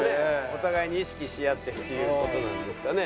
お互いに意識し合ってっていう事なんですかね。